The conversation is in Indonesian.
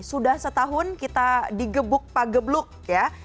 sudah setahun kita digebuk pagebluk ya